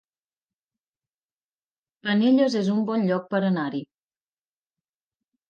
Penelles es un bon lloc per anar-hi